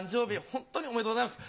ホントにおめでとうございます。